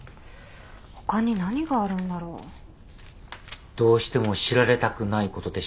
他に何があるんだろう？どうしても知られたくないことでしょうね。